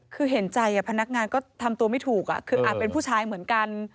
คือเห็นใจพนักงานก็ทำตัวไม่ถูกคืออาจเป็นผู้ชายเหมือนกัน